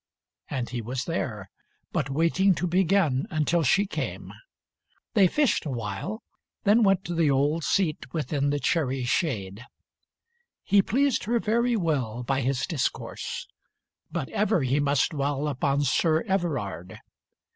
And he was there, but waiting to begin Until she came. They fished awhile, then went To the old seat within The cherry's shade. He pleased her very well By his discourse. But ever he must dwell Upon Sir Everard.